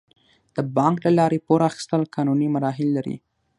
د بانک له لارې پور اخیستل قانوني مراحل لري.